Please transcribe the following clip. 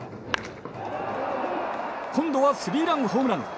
今度はスリーランホームラン。